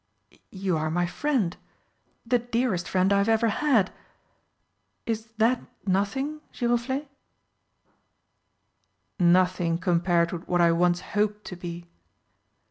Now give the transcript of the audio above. "You are my friend the dearest friend I have ever had. Is that nothing, Giroflé?" "Nothing compared with what I once hoped to be!